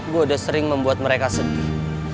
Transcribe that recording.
gue udah sering membuat mereka sedih